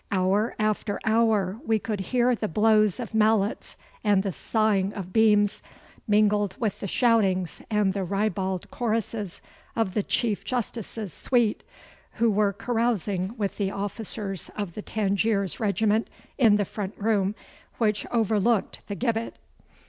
Hour after hour we could hear the blows of mallets and the sawing of beams, mingled with the shoutings and the ribald choruses of the Chief Justice's suite, who were carousing with the officers of the Tangiers regiment in the front room, which overlooked the gibbet.